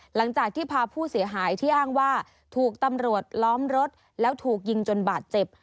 หลังจากที่พาผู้เสียหายที่อ้างว่าถูกตำรวจล้อมรถแล้วถูกยิงจนบาดเจ็บ